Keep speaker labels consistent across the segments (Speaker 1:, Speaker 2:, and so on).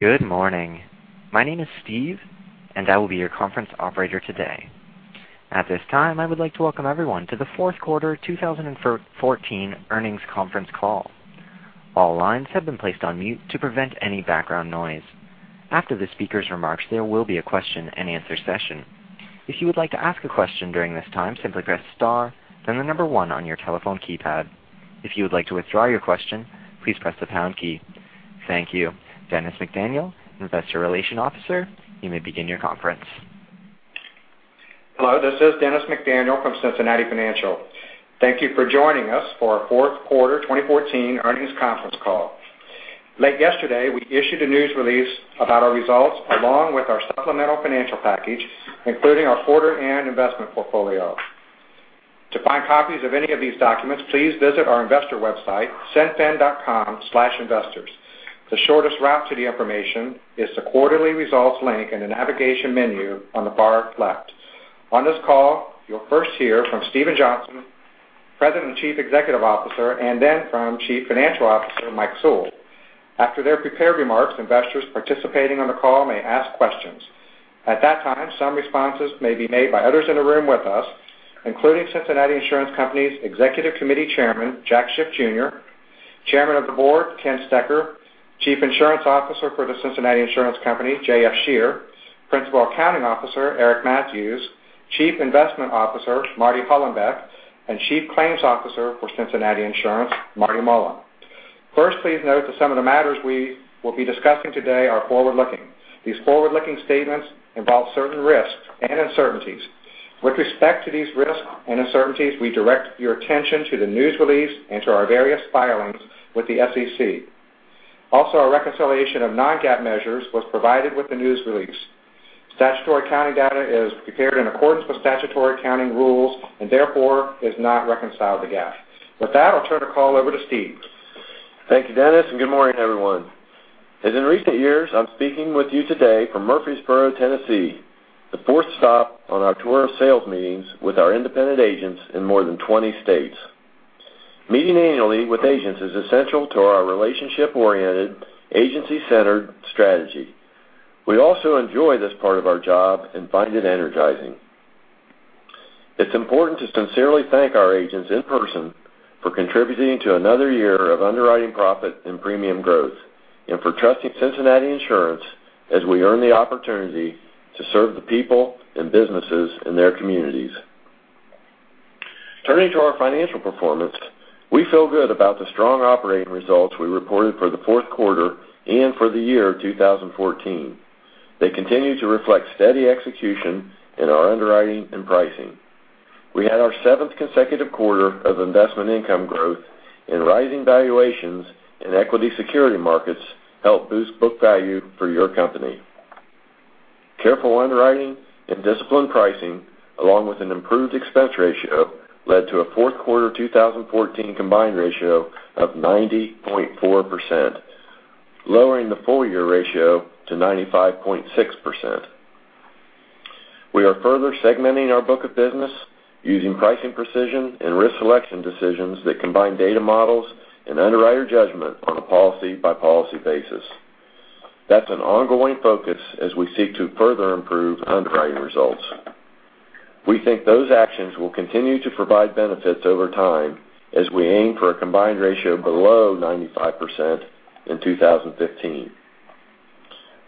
Speaker 1: Good morning. My name is Steve, and I will be your conference operator today. At this time, I would like to welcome everyone to the fourth quarter 2014 earnings conference call. All lines have been placed on mute to prevent any background noise. After the speaker's remarks, there will be a question-and-answer session. If you would like to ask a question during this time, simply press star, then the number one on your telephone keypad. If you would like to withdraw your question, please press the pound key. Thank you. Dennis McDaniel, Investor Relations Officer, you may begin your conference.
Speaker 2: Hello, this is Dennis McDaniel from Cincinnati Financial. Thank you for joining us for our fourth quarter 2014 earnings conference call. Late yesterday, we issued a news release about our results along with our supplemental financial package, including our quarter and investment portfolio. To find copies of any of these documents, please visit our investor website, cinfin.com/investors. The shortest route to the information is the quarterly results link in the navigation menu on the far left. On this call, you'll first hear from Steven Johnston, President and Chief Executive Officer, and then from Chief Financial Officer, Mike Sewell. After their prepared remarks, investors participating on the call may ask questions. At that time, some responses may be made by others in the room with us, including Cincinnati Insurance Company's Executive Committee Chairman, Jack Schiff Jr., Chairman of the Board, Ken Stecher, Chief Insurance Officer for The Cincinnati Insurance Company, JF Scherer, Principal Accounting Officer, Eric Mathews, Chief Investment Officer, Marty Hollenbeck, and Chief Claims Officer for Cincinnati Insurance, Marty Mullen. First, please note that some of the matters we will be discussing today are forward-looking. These forward-looking statements involve certain risks and uncertainties. With respect to these risks and uncertainties, we direct your attention to the news release and to our various filings with the SEC. Also, our reconciliation of non-GAAP measures was provided with the news release. Statutory accounting data is prepared in accordance with statutory accounting rules and therefore is not reconciled to GAAP. With that, I'll turn the call over to Steve.
Speaker 3: Thank you, Dennis, and good morning, everyone. As in recent years, I'm speaking with you today from Murfreesboro, Tennessee, the fourth stop on our tour of sales meetings with our independent agents in more than 20 states. Meeting annually with agents is essential to our relationship-oriented, agency-centered strategy. We also enjoy this part of our job and find it energizing. It's important to sincerely thank our agents in person for contributing to another year of underwriting profit and premium growth and for trusting Cincinnati Insurance as we earn the opportunity to serve the people and businesses in their communities. Turning to our financial performance, we feel good about the strong operating results we reported for the fourth quarter and for the year 2014. They continue to reflect steady execution in our underwriting and pricing. We had our seventh consecutive quarter of investment income growth and rising valuations in equity security markets help boost book value for your company. Careful underwriting and disciplined pricing, along with an improved expense ratio, led to a fourth quarter 2014 combined ratio of 90.4%, lowering the full-year ratio to 95.6%. We are further segmenting our book of business using pricing precision and risk selection decisions that combine data models and underwriter judgment on a policy-by-policy basis. That's an ongoing focus as we seek to further improve underwriting results. We think those actions will continue to provide benefits over time as we aim for a combined ratio below 95% in 2015.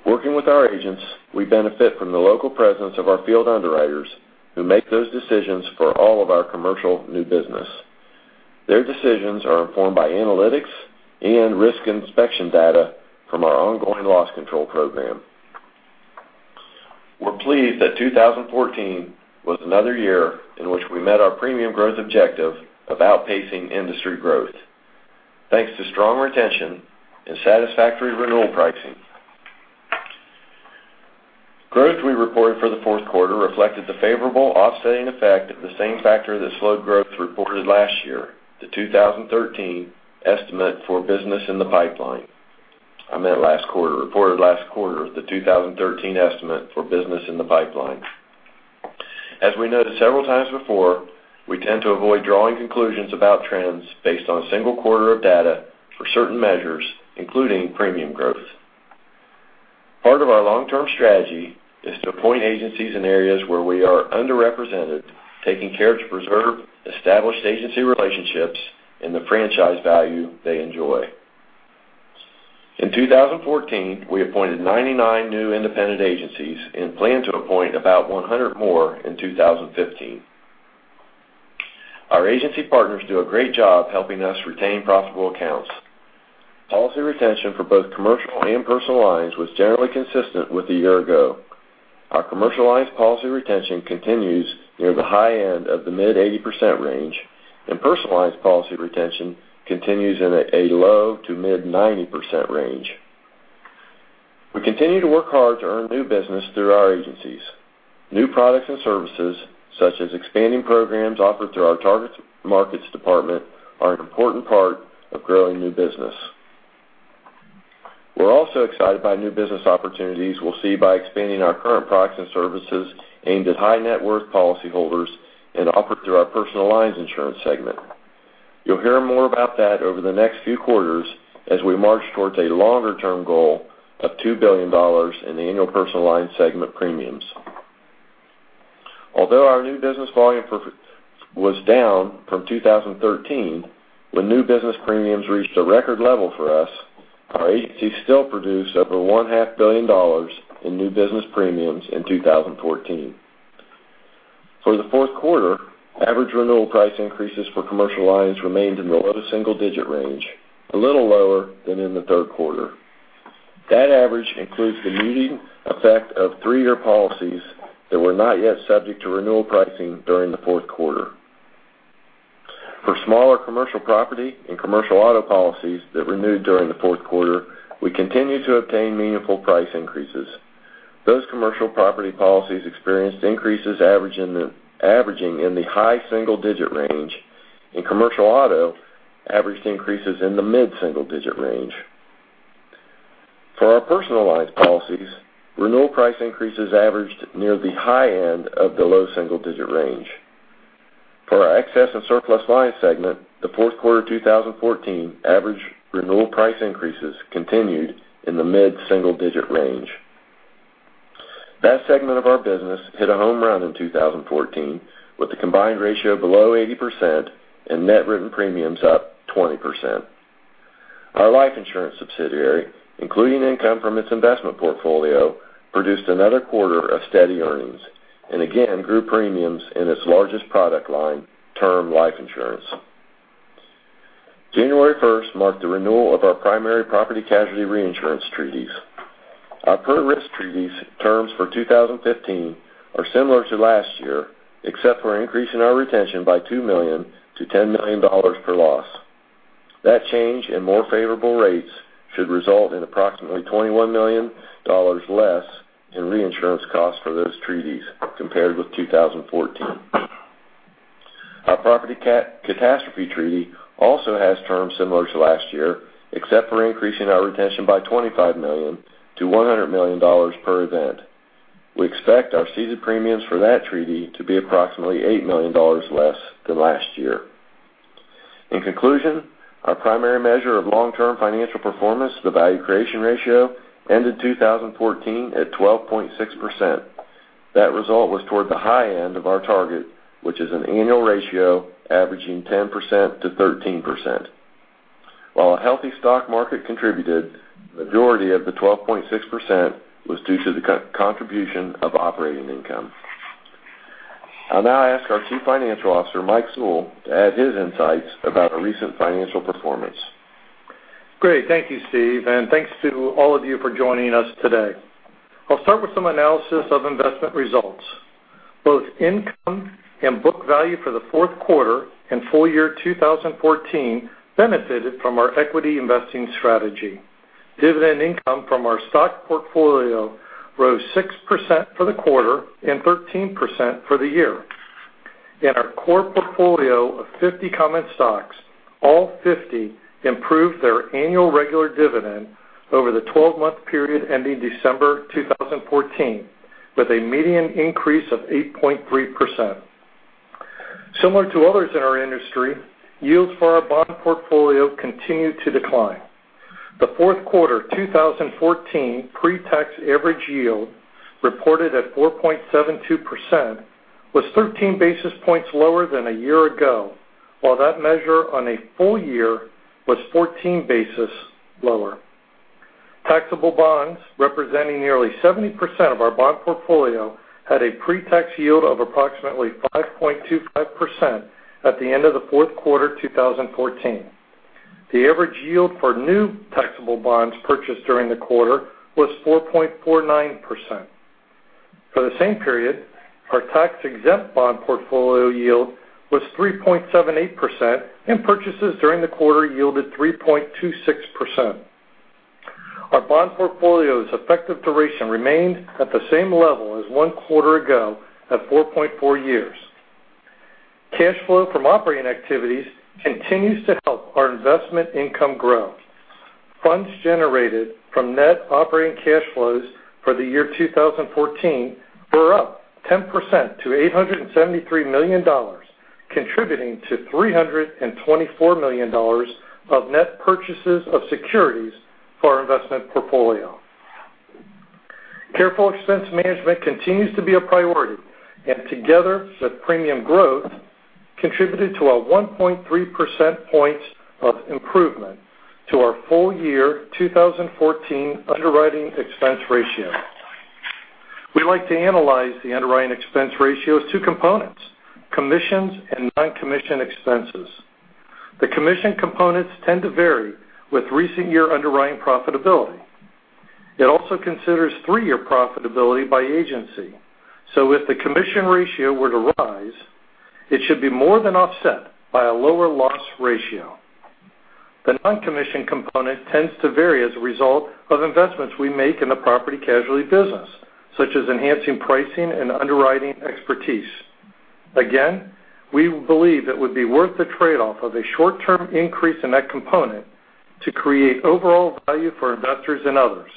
Speaker 3: Working with our agents, we benefit from the local presence of our field underwriters who make those decisions for all of our commercial new business. Their decisions are informed by analytics and risk inspection data from our ongoing loss control program. We're pleased that 2014 was another year in which we met our premium growth objective of outpacing industry growth, thanks to strong retention and satisfactory renewal pricing. Growth we reported for the fourth quarter reflected the favorable offsetting effect of the same factor that slowed growth reported last year, the 2013 estimate for business in the pipeline. Reported last quarter of the 2013 estimate for business in the pipeline. As we noted several times before, we tend to avoid drawing conclusions about trends based on a single quarter of data for certain measures, including premium growth. Part of our long-term strategy is to appoint agencies in areas where we are underrepresented, taking care to preserve established agency relationships and the franchise value they enjoy. In 2014, we appointed 99 new independent agencies and plan to appoint about 100 more in 2015. Our agency partners do a great job helping us retain profitable accounts. Policy retention for both commercial and personal lines was generally consistent with a year ago. Our commercial lines policy retention continues near the high end of the mid-80% range, and personal lines policy retention continues in a low to mid-90% range. We continue to work hard to earn new business through our agencies. New products and services, such as expanding programs offered through our Target Markets department, are an important part of growing new business. We're also excited by new business opportunities we'll see by expanding our current products and services aimed at high net worth policyholders and offered through our personal lines insurance segment. You'll hear more about that over the next few quarters as we march towards a longer-term goal of $2 billion in the annual personal line segment premiums. Although our new business volume was down from 2013, when new business premiums reached a record level for us, our agency still produced over one-half billion dollars in new business premiums in 2014. For the fourth quarter, average renewal price increases for commercial lines remained in the low to single-digit range, a little lower than in the third quarter. That average includes the muting effect of three-year policies that were not yet subject to renewal pricing during the fourth quarter. For smaller commercial property and commercial auto policies that renewed during the fourth quarter, we continued to obtain meaningful price increases. Those commercial property policies experienced increases averaging in the high single-digit range. In commercial auto, averaged increases in the mid-single digit range. For our personal lines policies, renewal price increases averaged near the high end of the low single-digit range. For our excess and surplus lines segment, the fourth quarter 2014 average renewal price increases continued in the mid-single digit range. That segment of our business hit a home run in 2014, with a combined ratio below 80% and net written premiums up 20%. Our life insurance subsidiary, including income from its investment portfolio, produced another quarter of steady earnings and again grew premiums in its largest product line, term life insurance. January 1st marked the renewal of our primary property casualty reinsurance treaties. Our per risk treaties terms for 2015 are similar to last year, except for increasing our retention by $2 million to $10 million per loss. That change in more favorable rates should result in approximately $21 million less in reinsurance costs for those treaties compared with 2014. Our property catastrophe treaty also has terms similar to last year, except for increasing our retention by $25 million to $100 million per event. We expect our ceded premiums for that treaty to be approximately $8 million less than last year. In conclusion, our primary measure of long-term financial performance, the value creation ratio, ended 2014 at 12.6%. That result was toward the high end of our target, which is an annual ratio averaging 10%-13%. While a healthy stock market contributed, the majority of the 12.6% was due to the contribution of operating income. I'll now ask our Chief Financial Officer, Mike Sewell, to add his insights about our recent financial performance.
Speaker 4: Great. Thank you, Steve, and thanks to all of you for joining us today. I'll start with some analysis of investment results. Both income and book value for the fourth quarter and full year 2014 benefited from our equity investing strategy. Dividend income from our stock portfolio rose 6% for the quarter and 13% for the year. In our core portfolio of 50 common stocks, all 50 improved their annual regular dividend over the 12-month period ending December 2014, with a median increase of 8.3%. Similar to others in our industry, yields for our bond portfolio continued to decline. The fourth quarter 2014 pre-tax average yield, reported at 4.72%, was 13 basis points lower than a year ago, while that measure on a full year was 14 basis lower. Taxable bonds, representing nearly 70% of our bond portfolio, had a pre-tax yield of approximately 5.25% at the end of the fourth quarter 2014. The average yield for new taxable bonds purchased during the quarter was 4.49%. For the same period, our tax-exempt bond portfolio yield was 3.78%, and purchases during the quarter yielded 3.26%. Our bond portfolio's effective duration remained at the same level as one quarter ago at 4.4 years. Cash flow from operating activities continues to help our investment income grow. Funds generated from net operating cash flows for the year 2014 were up 10% to $873 million, contributing to $324 million of net purchases of securities for our investment portfolio. Careful expense management continues to be a priority, and together with premium growth, contributed to a 1.3% points of improvement to our full year 2014 underwriting expense ratio. We like to analyze the underwriting expense ratio's two components, commissions and non-commission expenses. The commission components tend to vary with recent year underwriting profitability. It also considers three-year profitability by agency. If the commission ratio were to rise, it should be more than offset by a lower loss ratio. The non-commission component tends to vary as a result of investments we make in the property casualty business, such as enhancing pricing and underwriting expertise. Again, we believe it would be worth the trade-off of a short-term increase in that component to create overall value for investors and others.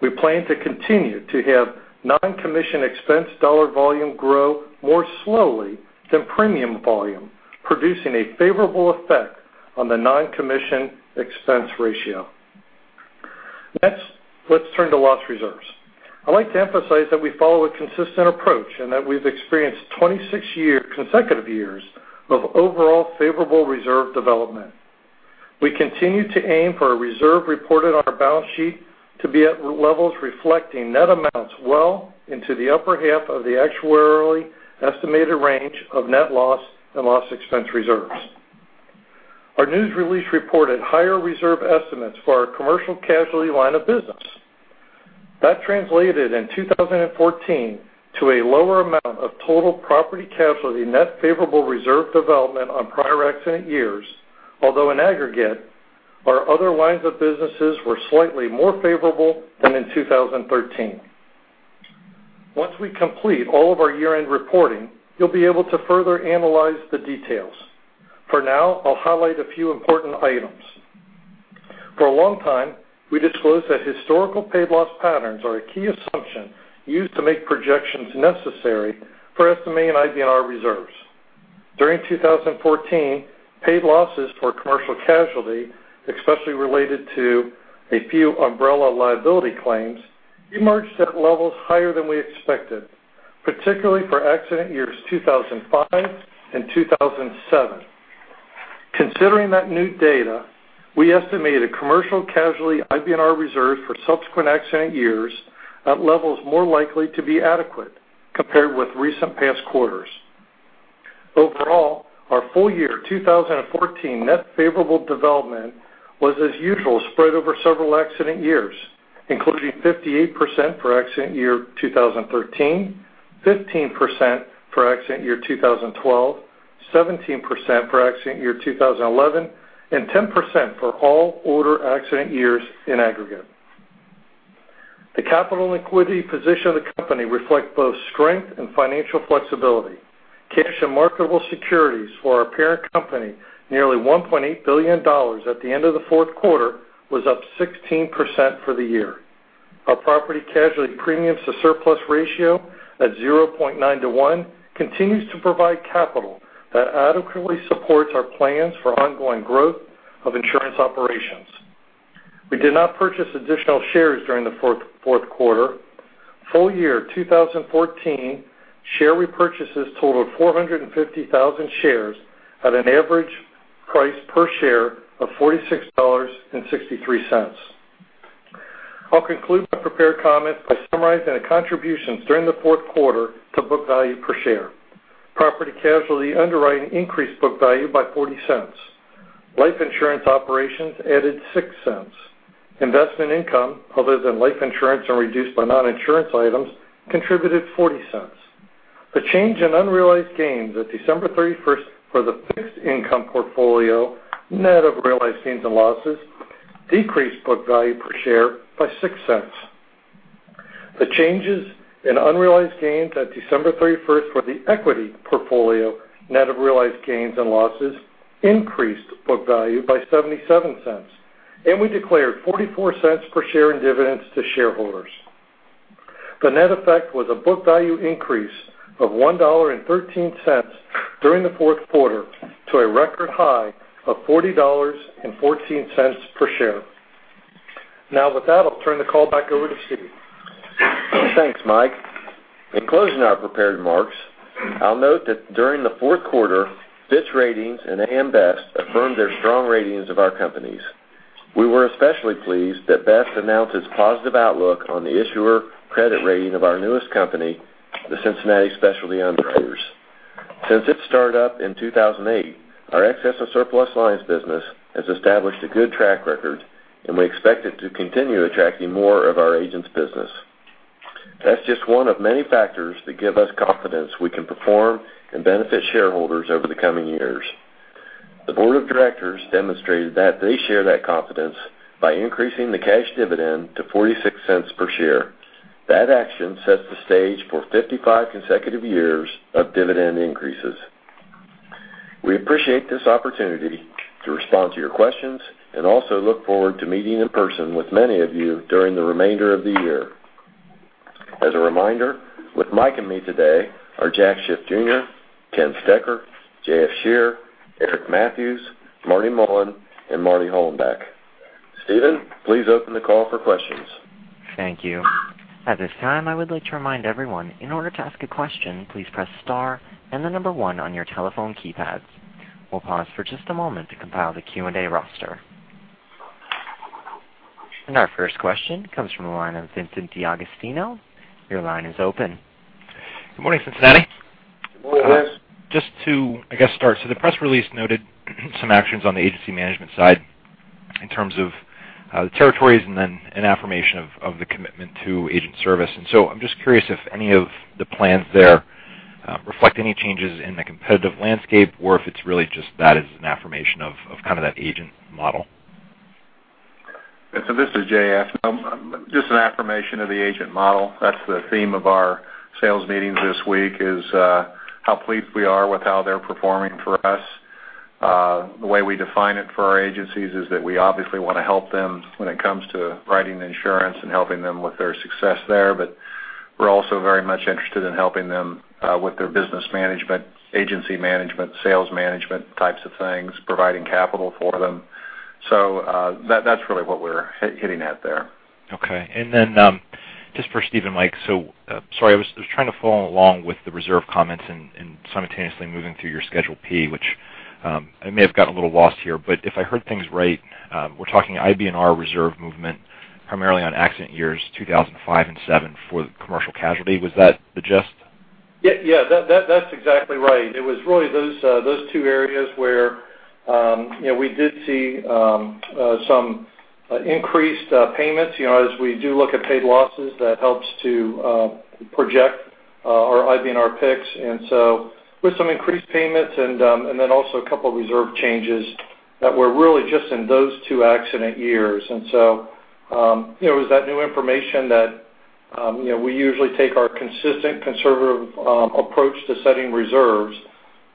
Speaker 4: We plan to continue to have non-commission expense dollar volume grow more slowly than premium volume, producing a favorable effect on the non-commission expense ratio. Next, let's turn to loss reserves. I'd like to emphasize that we follow a consistent approach and that we've experienced 26 consecutive years of overall favorable reserve development. We continue to aim for a reserve reported on our balance sheet to be at levels reflecting net amounts well into the upper half of the actuarially estimated range of net loss and loss expense reserves. Our news release reported higher reserve estimates for our commercial casualty line of business. That translated in 2014 to a lower amount of total property casualty net favorable reserve development on prior accident years, although in aggregate, our other lines of businesses were slightly more favorable than in 2013. Once we complete all of our year-end reporting, you'll be able to further analyze the details. For now, I'll highlight a few important items. For a long time, we disclosed that historical paid loss patterns are a key assumption used to make projections necessary for estimating IBNR reserves. During 2014, paid losses for commercial casualty, especially related to a few umbrella liability claims, emerged at levels higher than we expected, particularly for accident years 2005 and 2007. Considering that new data, we estimated commercial casualty IBNR reserve for subsequent accident years at levels more likely to be adequate compared with recent past quarters. Overall, our full year 2014 net favorable development was as usual, spread over several accident years, including 58% for accident year 2013, 15% for accident year 2012, 17% for accident year 2011, and 10% for all older accident years in aggregate. The capital and liquidity position of the company reflect both strength and financial flexibility. Cash and marketable securities for our parent company, nearly $1.8 billion at the end of the fourth quarter, was up 16% for the year. Our property casualty premiums to surplus ratio at 0.9 to 1 continues to provide capital that adequately supports our plans for ongoing growth of insurance operations. We did not purchase additional shares during the fourth quarter. Full year 2014 share repurchases totaled 450,000 shares at an average price per share of $46.63. I'll conclude my prepared comments by summarizing the contributions during the fourth quarter to book value per share. Property casualty underwriting increased book value by $0.40. Life insurance operations added $0.06. Investment income other than life insurance and reduced by non-insurance items contributed $0.40. The change in unrealized gains at December 31st for the fixed income portfolio, net of realized gains and losses, decreased book value per share by $0.06. The changes in unrealized gains at December 31st for the equity portfolio, net of realized gains and losses, increased book value by $0.77, and we declared $0.44 per share in dividends to shareholders. The net effect was a book value increase of $1.13 during the fourth quarter to a record high of $40.14 per share. Now, with that, I'll turn the call back over to Steve.
Speaker 3: Thanks, Mike. In closing our prepared remarks, I'll note that during the fourth quarter, Fitch Ratings and A.M. Best affirmed their strong ratings of our companies. We were especially pleased that Best announced its positive outlook on the issuer credit rating of our newest company, The Cincinnati Specialty Underwriters. Since its start up in 2008, our excess and surplus lines business has established a good track record, and we expect it to continue attracting more of our agents' business. That's just one of many factors that give us confidence we can perform and benefit shareholders over the coming years. The board of directors demonstrated that they share that confidence by increasing the cash dividend to $0.46 per share. That action sets the stage for 55 consecutive years of dividend increases. We appreciate this opportunity to respond to your questions and also look forward to meeting in person with many of you during the remainder of the year. As a reminder, with Mike and me today are Jack Schiff, Jr., Ken Stecher, J.F. Scherer, Eric Mathews, Marty Mullen, and Marty Hollenbeck. Steven, please open the call for questions.
Speaker 1: Thank you. At this time, I would like to remind everyone, in order to ask a question, please press star and the number 1 on your telephone keypads. We'll pause for just a moment to compile the Q&A roster. Our first question comes from the line of Vincent D'Agostino. Your line is open.
Speaker 5: Good morning, Cincinnati.
Speaker 3: Good morning.
Speaker 5: Just to start. The press release noted some actions on the agency management side in terms of the territories and then an affirmation of the commitment to agent service. I'm just curious if any of the plans there reflect any changes in the competitive landscape or if it's really just that as an affirmation of that agent model.
Speaker 6: This is J.F. Just an affirmation of the agent model. That's the theme of our sales meetings this week is how pleased we are with how they're performing for us. The way we define it for our agencies is that we obviously want to help them when it comes to writing insurance and helping them with their success there. We're also very much interested in helping them with their business management, agency management, sales management types of things, providing capital for them. That's really what we're hitting at there.
Speaker 5: Okay. Then just for Steve and Mike. Sorry, I was trying to follow along with the reserve comments and simultaneously moving through your Schedule P, which I may have gotten a little lost here, if I heard things right, we're talking IBNR reserve movement primarily on accident years 2005 and 2007 for the commercial casualty. Was that the gist?
Speaker 4: Yeah, that's exactly right. It was really those two areas where we did see some increased payments. As we do look at paid losses, that helps to project our IBNR picks. With some increased payments and then also a couple of reserve changes that were really just in those two accident years. It was that new information that we usually take our consistent conservative approach to setting reserves.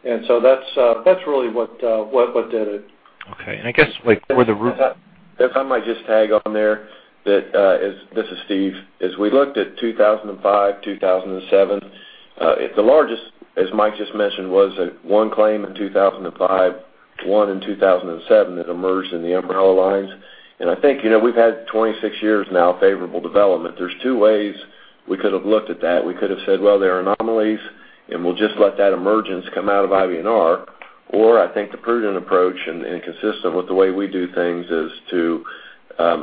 Speaker 4: That's really what did it.
Speaker 5: Okay. I guess, like,
Speaker 3: If I might just tag on there. This is Steve. As we looked at 2005, 2007, the largest, as Mike just mentioned, was one claim in 2005, one in 2007 that emerged in the umbrella lines. I think, we've had 26 years now of favorable development. There's two ways we could have looked at that. We could have said, well, they're anomalies, and we'll just let that emergence come out of IBNR. I think the prudent approach, and consistent with the way we do things, is to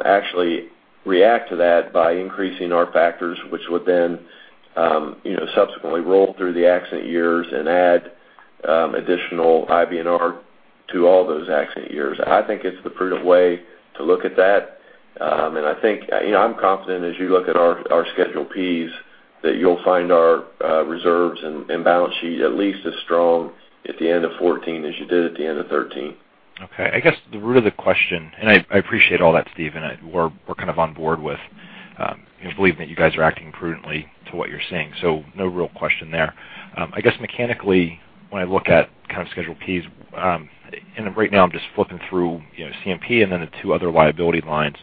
Speaker 3: actually react to that by increasing our factors, which would then subsequently roll through the accident years and add additional IBNR to all those accident years. I think it's the prudent way to look at that. I'm confident as you look at our Schedule Ps, that you'll find our reserves and balance sheet at least as strong at the end of 2014 as you did at the end of 2013.
Speaker 5: Okay. I guess the root of the question, I appreciate all that, Steve, we're kind of on board with, and believe that you guys are acting prudently to what you're saying. No real question there. I guess mechanically, when I look at kind of Schedule Ps, right now I'm just flipping through CMP and then the two other liability lines.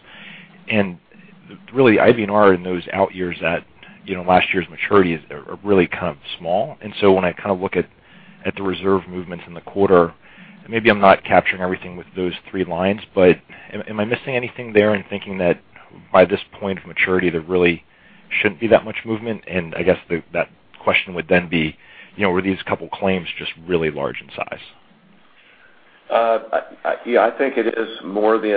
Speaker 5: Really IBNR in those out years that last year's maturities are really kind of small. When I look at the reserve movements in the quarter, maybe I'm not capturing everything with those three lines, but am I missing anything there in thinking that by this point of maturity, there really shouldn't be that much movement? I guess that question would then be, were these couple claims just really large in size?
Speaker 3: Yeah, I think it is more the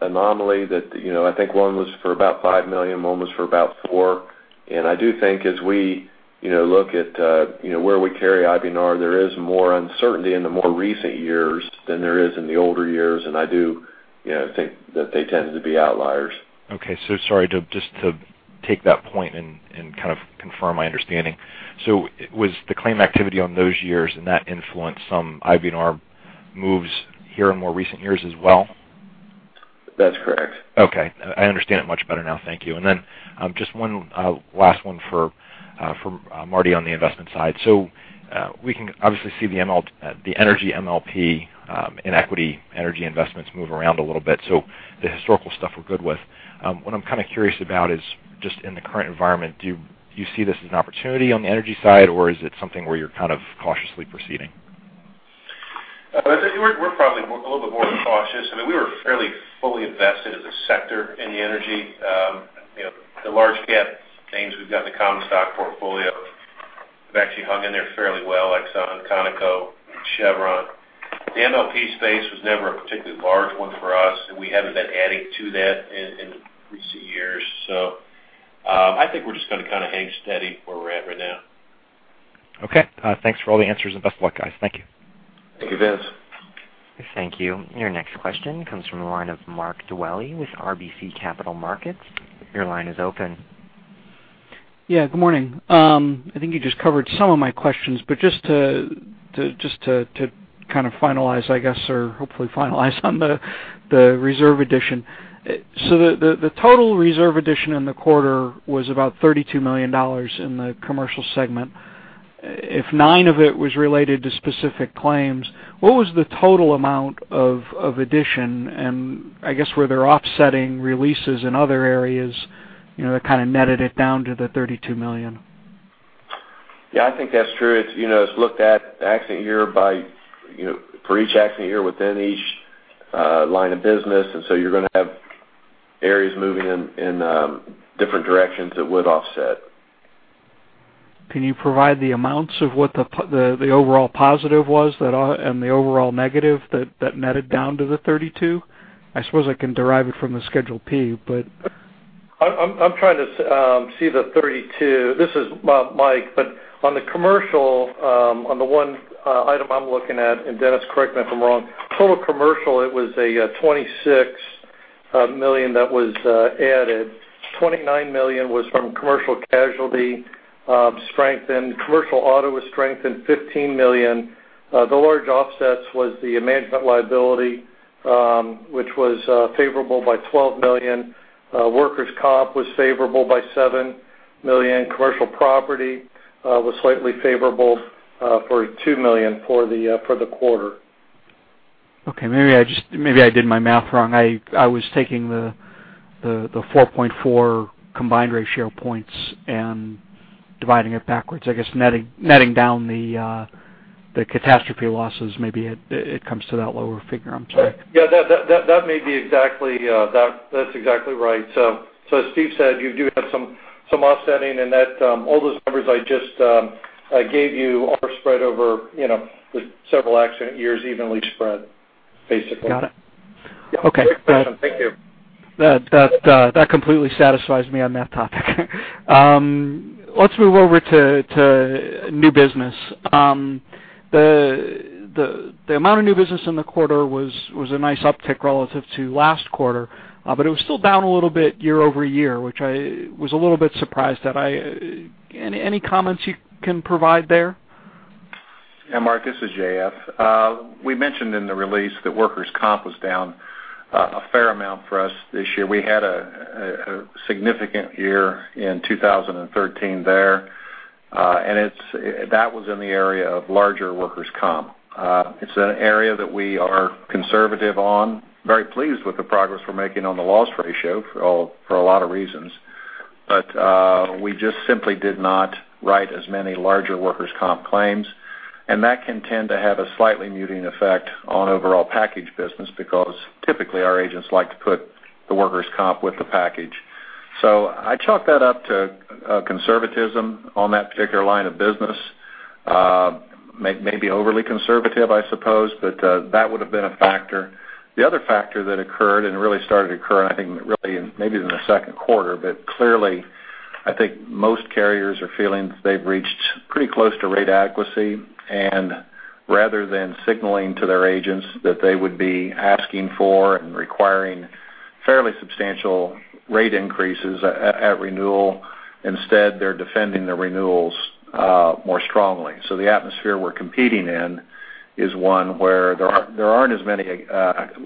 Speaker 3: anomaly that I think one was for about $5 million, one was for about $4 million. I do think as we look at where we carry IBNR, there is more uncertainty in the more recent years than there is in the older years, I do think that they tend to be outliers.
Speaker 5: Okay. Sorry, just to take that point and kind of confirm my understanding. Was the claim activity on those years and that influenced some IBNR moves here in more recent years as well?
Speaker 3: That's correct.
Speaker 5: Okay. I understand it much better now. Thank you. Then just one last one for Marty on the investment side. We can obviously see the energy MLP in equity, energy investments move around a little bit. The historical stuff we're good with. What I'm kind of curious about is just in the current environment, do you see this as an opportunity on the energy side, or is it something where you're kind of cautiously proceeding?
Speaker 7: I think we're probably a little bit more cautious. I mean, we were fairly fully invested as a sector in energy. The large-cap names we've got in the common stock portfolio have actually hung in there fairly well, Exxon, Conoco, Chevron. The MLP space was never a particularly large one for us, and we haven't been adding to that in recent years. I think we're just going to kind of hang steady where we're at right now.
Speaker 5: Okay. Thanks for all the answers and best of luck, guys. Thank you.
Speaker 7: Thank you, Vince.
Speaker 1: Thank you. Your next question comes from the line of Mark Dwelle with RBC Capital Markets. Your line is open.
Speaker 8: Yeah, good morning. I think you just covered some of my questions, but just to kind of finalize, I guess, or hopefully finalize on the reserve addition. The total reserve addition in the quarter was about $32 million in the commercial segment. If nine of it was related to specific claims, what was the total amount of addition? I guess where they're offsetting releases in other areas, that kind of netted it down to the $32 million.
Speaker 4: Yeah, I think that's true. It's looked at for each accident year within each line of business, and so you're going to have areas moving in different directions that would offset.
Speaker 8: Can you provide the amounts of what the overall positive was and the overall negative that netted down to the 32? I suppose I can derive it from the Schedule P, but.
Speaker 4: I'm trying to see the 32. This is Mike, but on the commercial, on the one item I'm looking at, and Dennis, correct me if I'm wrong. Total commercial, it was a $26 million that was added. $29 million was from commercial casualty strength, and commercial auto was strengthened $15 million. The large offsets was the management liability, which was favorable by $12 million. Workers' comp was favorable by $7 million. Million. Commercial property was slightly favorable for $2 million for the quarter.
Speaker 8: Okay. Maybe I did my math wrong. I was taking the 4.4 combined ratio points and dividing it backwards. I guess netting down the catastrophe losses, maybe it comes to that lower figure. I'm sorry.
Speaker 4: Yeah, that's exactly right. As Steve said, you do have some offsetting in that all those numbers I just gave you are spread over the several accident years evenly spread, basically.
Speaker 8: Got it. Okay.
Speaker 4: Great question. Thank you.
Speaker 8: That completely satisfies me on that topic. Let's move over to new business. The amount of new business in the quarter was a nice uptick relative to last quarter, but it was still down a little bit year-over-year, which I was a little bit surprised at. Any comments you can provide there?
Speaker 6: Yeah, Mark, this is J.F. We mentioned in the release that workers' comp was down a fair amount for us this year. We had a significant year in 2013 there. That was in the area of larger workers' comp. It's an area that we are conservative on, very pleased with the progress we're making on the loss ratio for a lot of reasons. We just simply did not write as many larger workers' comp claims, and that can tend to have a slightly muting effect on overall package business because typically our agents like to put the workers' comp with the package. I chalk that up to conservatism on that particular line of business. Maybe overly conservative, I suppose, but that would've been a factor. The other factor that occurred and really started to occur, I think, really in maybe in the second quarter, but clearly, I think most carriers are feeling that they've reached pretty close to rate adequacy, and rather than signaling to their agents that they would be asking for and requiring fairly substantial rate increases at renewal, instead, they're defending the renewals more strongly. The atmosphere we're competing in is one where there aren't as many,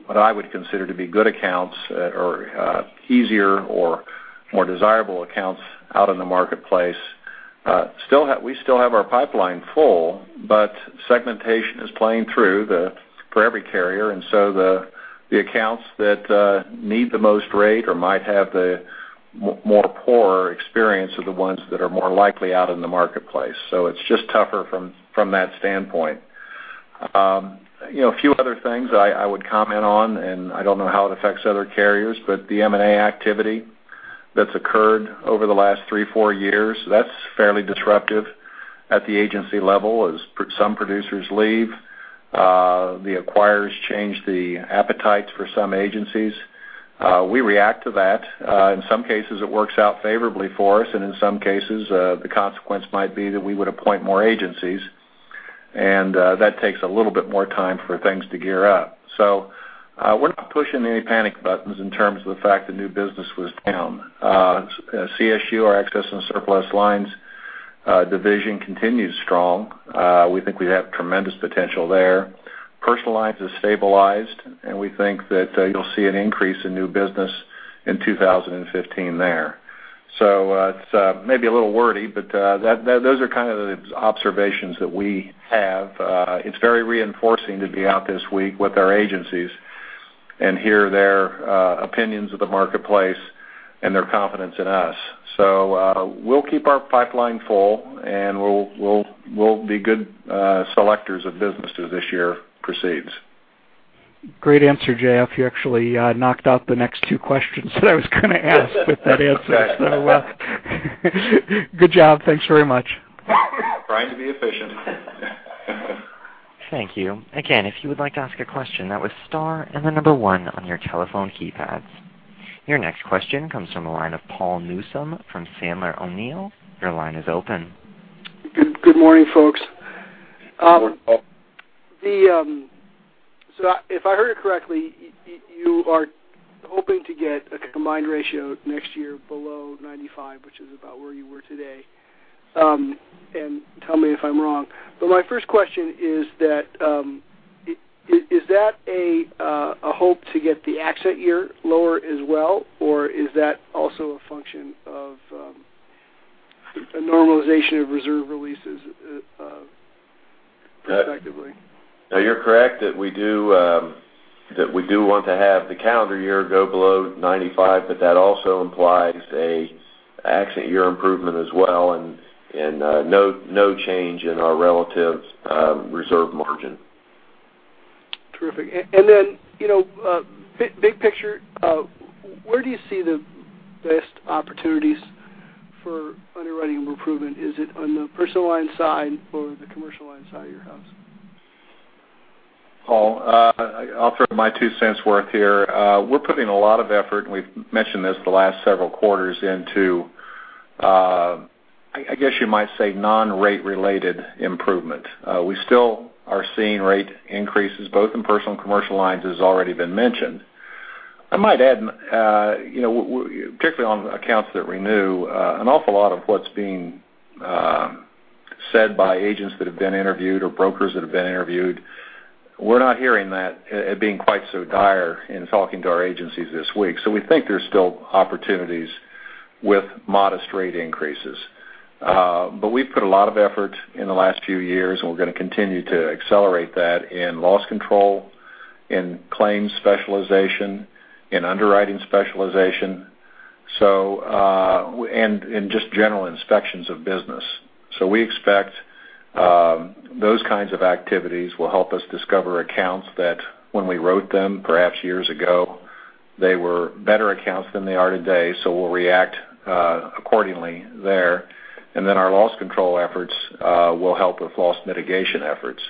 Speaker 6: what I would consider to be good accounts or easier or more desirable accounts out in the marketplace. We still have our pipeline full, segmentation is playing through for every carrier, the accounts that need the most rate or might have the more poor experience are the ones that are more likely out in the marketplace. It's just tougher from that standpoint. A few other things I would comment on, I don't know how it affects other carriers, the M&A activity that's occurred over the last three, four years, that's fairly disruptive at the agency level. As some producers leave, the acquirers change the appetite for some agencies. We react to that. In some cases, it works out favorably for us, in some cases, the consequence might be that we would appoint more agencies, that takes a little bit more time for things to gear up. We're not pushing any panic buttons in terms of the fact that new business was down. CSU, our excess and surplus lines division continues strong. We think we have tremendous potential there. Personal lines is stabilized, and we think that you'll see an increase in new business in 2015 there. It's maybe a little wordy, but those are kind of the observations that we have. It's very reinforcing to be out this week with our agencies and hear their opinions of the marketplace and their confidence in us. We'll keep our pipeline full, and we'll be good selectors of businesses as this year proceeds.
Speaker 8: Great answer, J.F. You actually knocked out the next two questions that I was going to ask with that answer, good job. Thanks very much.
Speaker 6: Trying to be efficient.
Speaker 1: Thank you. Again, if you would like to ask a question, that was star and the number 1 on your telephone keypads. Your next question comes from the line of Paul Newsome from Sandler O'Neill. Your line is open.
Speaker 9: Good morning, folks.
Speaker 3: Good morning, Paul.
Speaker 9: If I heard it correctly, you are hoping to get a combined ratio next year below 95, which is about where you were today, and tell me if I'm wrong. My first question is that, is that a hope to get the accident year lower as well, or is that also a function of a normalization of reserve releases prospectively?
Speaker 3: No, you're correct that we do want to have the calendar year go below 95, but that also implies a accident year improvement as well and no change in our relative reserve margin.
Speaker 9: Terrific. Big picture, where do you see the best opportunities for underwriting improvement? Is it on the personal line side or the commercial line side of your house?
Speaker 6: Paul, I'll throw my two cents worth here. We're putting a lot of effort, and we've mentioned this the last several quarters, into, I guess you might say, non-rate related improvement. We still are seeing rate increases both in personal and commercial lines as already been mentioned. I might add, particularly on accounts that renew, an awful lot of what's being said by agents that have been interviewed or brokers that have been interviewed. We're not hearing that as being quite so dire in talking to our agencies this week. We think there's still opportunities with modest rate increases. We've put a lot of effort in the last few years, and we're going to continue to accelerate that in loss control, in claims specialization, in underwriting specialization, and in just general inspections of business. We expect those kinds of activities will help us discover accounts that when we wrote them, perhaps years ago, they were better accounts than they are today. We'll react accordingly there. Our loss control efforts will help with loss mitigation efforts.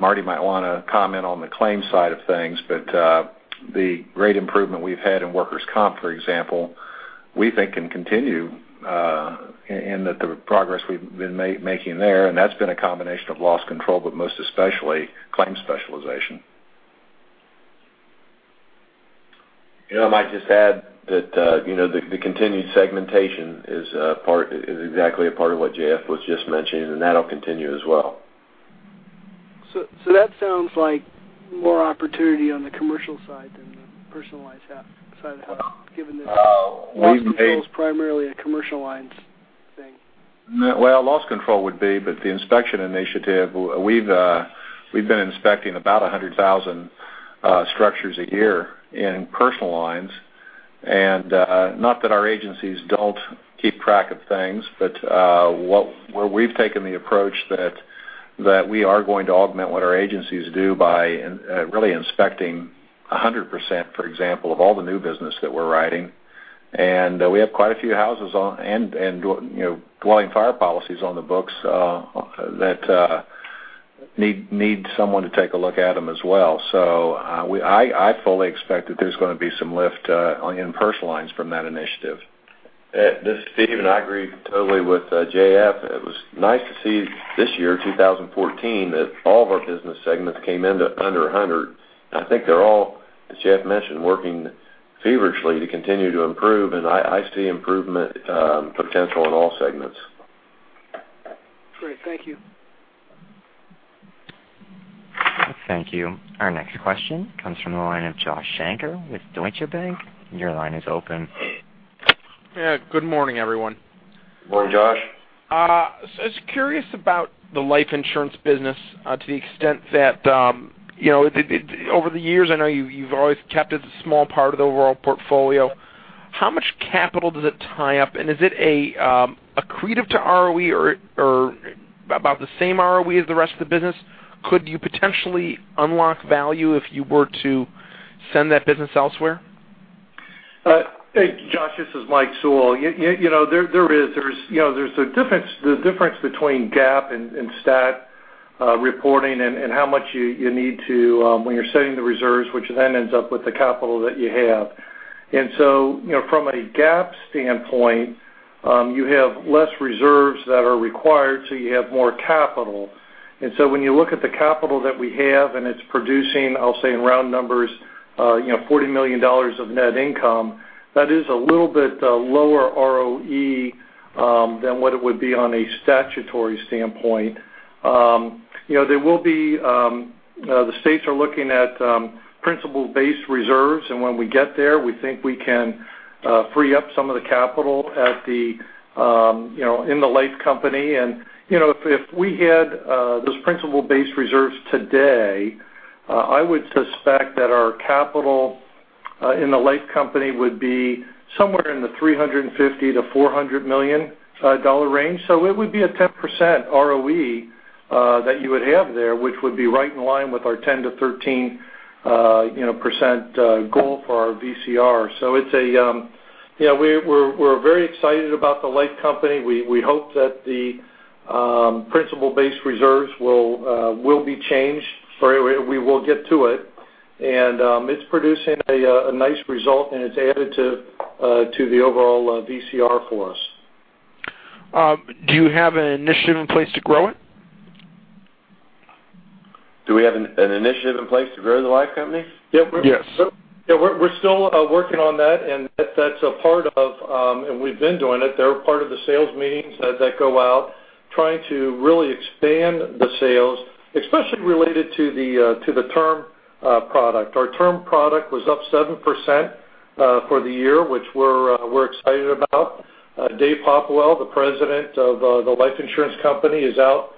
Speaker 6: Marty might want to comment on the claims side of things, but the great improvement we've had in workers' comp, for example, we think can continue in the progress we've been making there, and that's been a combination of loss control, but most especially claims specialization.
Speaker 3: I might just add that the continued segmentation is exactly a part of what J.F. was just mentioning. That'll continue as well.
Speaker 9: That sounds like more opportunity on the commercial side than the personal lines side of the house, given that-
Speaker 3: We've made-
Speaker 9: Loss control is primarily a commercial lines thing.
Speaker 6: Well, loss control would be, but the inspection initiative, we've been inspecting about 100,000 structures a year in personal lines. Not that our agencies don't keep track of things, but where we've taken the approach that we are going to augment what our agencies do by really inspecting 100%, for example, of all the new business that we're writing. We have quite a few houses and dwelling fire policies on the books that need someone to take a look at them as well. I fully expect that there's going to be some lift in personal lines from that initiative.
Speaker 3: This is Steve, I agree totally with J.F. It was nice to see this year, 2014, that all of our business segments came in under 100. I think they're all, as J.F. mentioned, working feverishly to continue to improve, and I see improvement potential in all segments.
Speaker 9: Great. Thank you.
Speaker 1: Thank you. Our next question comes from the line of Joshua Shanker with Deutsche Bank. Your line is open.
Speaker 10: Yeah. Good morning, everyone.
Speaker 3: Morning, Josh.
Speaker 10: Just curious about the life insurance business to the extent that over the years, I know you've always kept it a small part of the overall portfolio. How much capital does it tie up, and is it accretive to ROE or about the same ROE as the rest of the business? Could you potentially unlock value if you were to send that business elsewhere?
Speaker 4: Josh, this is Mike Sewell. There's a difference between GAAP and stat reporting and how much you need to when you're setting the reserves, which then ends up with the capital that you have. From a GAAP standpoint, you have less reserves that are required, so you have more capital. When you look at the capital that we have and it's producing, I'll say in round numbers, $40 million of net income, that is a little bit lower ROE than what it would be on a statutory standpoint. The states are looking at principle-based reserves, and when we get there, we think we can free up some of the capital in the life company. If we had those principle-based reserves today, I would suspect that our capital in the life company would be somewhere in the $350 million-$400 million range. It would be a 10% ROE that you would have there, which would be right in line with our 10%-13% goal for our VCR. We're very excited about the life company. We hope that the principle-based reserves will be changed, we will get to it. It's producing a nice result, and it's additive to the overall VCR for us.
Speaker 10: Do you have an initiative in place to grow it?
Speaker 3: Do we have an initiative in place to grow the life company?
Speaker 10: Yes.
Speaker 4: Yeah, we're still working on that's a part of we've been doing it. They're a part of the sales meetings that go out trying to really expand the sales, especially related to the term product. Our term product was up 7% for the year, which we're excited about. Dave Popplewell, the president of the life insurance company, is out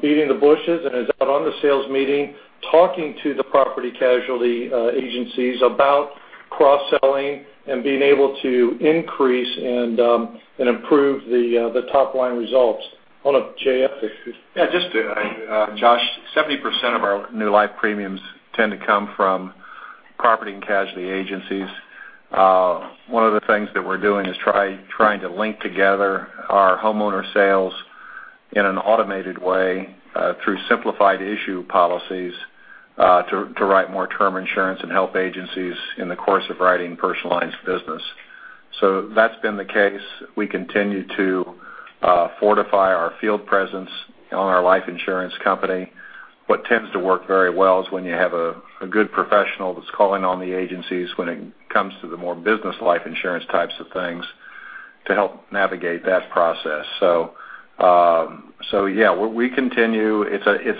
Speaker 4: beating the bushes and is out on the sales meeting talking to the property casualty agencies about cross-selling and being able to increase and improve the top-line results. Oh no, J.F.
Speaker 6: Yeah, Josh, 70% of our new life premiums tend to come from property and casualty agencies. One of the things that we're doing is trying to link together our homeowner sales in an automated way through simplified issue policies to write more term insurance and help agencies in the course of writing personal lines business. That's been the case. We continue to fortify our field presence on our life insurance company. What tends to work very well is when you have a good professional that's calling on the agencies when it comes to the more business life insurance types of things to help navigate that process. Yeah,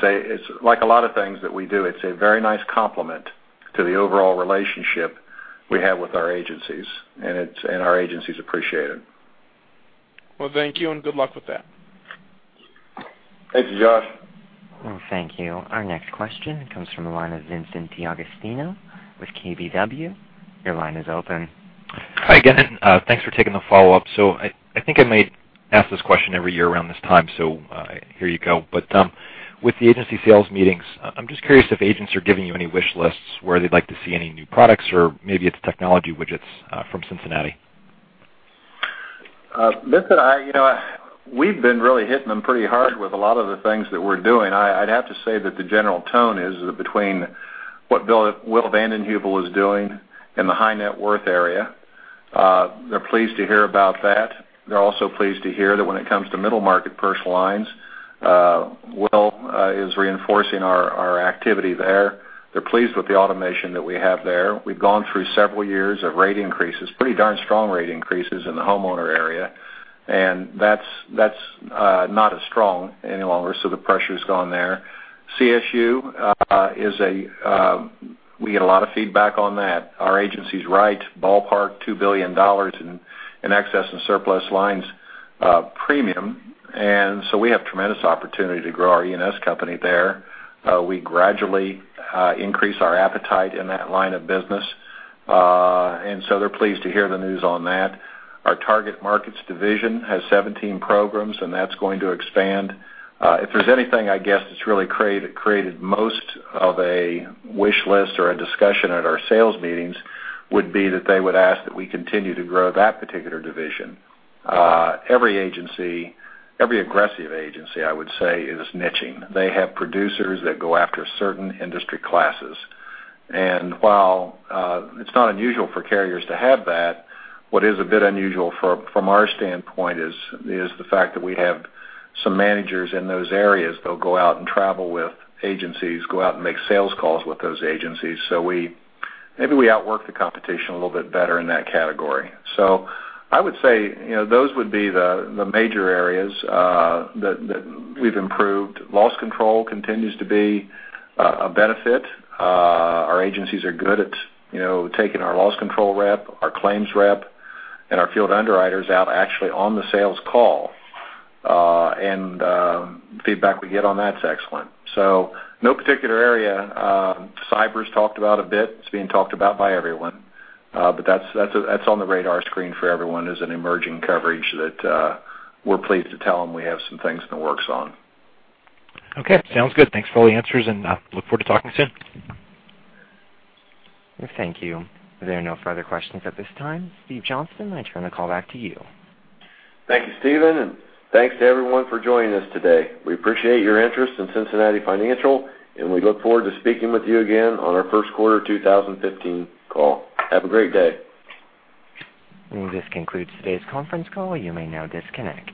Speaker 6: it's like a lot of things that we do, it's a very nice complement to the overall relationship we have with our agencies, and our agencies appreciate it.
Speaker 10: Well, thank you, and good luck with that.
Speaker 3: Thank you, Josh.
Speaker 1: Thank you. Our next question comes from the line of Vincent D'Agostino with KBW. Your line is open.
Speaker 5: Hi again. Thanks for taking the follow-up. I think I might ask this question every year around this time, so here you go. With the agency sales meetings, I'm just curious if agents are giving you any wish lists where they'd like to see any new products or maybe it's technology widgets from Cincinnati.
Speaker 6: Vincent, we've been really hitting them pretty hard with a lot of the things that we're doing. I'd have to say that the general tone is that between what Will Van Den Heuvel is doing in the high net worth area, they're pleased to hear about that. They're also pleased to hear that when it comes to middle market personal lines, Will is reinforcing our activity there. They're pleased with the automation that we have there. We've gone through several years of rate increases, pretty darn strong rate increases in the homeowner area, and that's not as strong any longer, so the pressure's gone there. CSU, we get a lot of feedback on that. Our agency's right, ballpark $2 billion in excess and surplus lines premium. We have tremendous opportunity to grow our E&S company there. We gradually increase our appetite in that line of business. They're pleased to hear the news on that. Our Target Markets division has 17 programs, and that's going to expand. If there's anything, I guess, that's really created most of a wish list or a discussion at our sales meetings would be that they would ask that we continue to grow that particular division. Every aggressive agency, I would say, is niching. They have producers that go after certain industry classes. While it's not unusual for carriers to have that, what is a bit unusual from our standpoint is the fact that we have some managers in those areas that'll go out and travel with agencies, go out and make sales calls with those agencies. Maybe we outwork the competition a little bit better in that category. I would say, those would be the major areas that we've improved. Loss control continues to be a benefit. Our agencies are good at taking our loss control rep, our claims rep, and our field underwriters out actually on the sales call. The feedback we get on that's excellent. No particular area. Cyber's talked about a bit. It's being talked about by everyone. That's on the radar screen for everyone as an emerging coverage that we're pleased to tell them we have some things in the works on.
Speaker 5: Okay, sounds good. Thanks for all the answers. Look forward to talking soon.
Speaker 1: Thank you. There are no further questions at this time. Steve Johnston, I turn the call back to you.
Speaker 3: Thank you, Steven, and thanks to everyone for joining us today. We appreciate your interest in Cincinnati Financial, and we look forward to speaking with you again on our first quarter 2015 call. Have a great day.
Speaker 1: This concludes today's conference call. You may now disconnect.